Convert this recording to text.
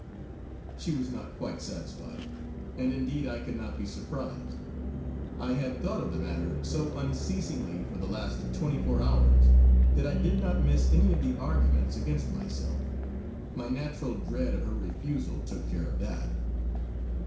She was not quite satisfied; and indeed I could not be surprised. I had thought of the matter so unceasingly for the last twenty four hours that I did not miss any of the arguments against myself; my natural dread of her refusal took care of that.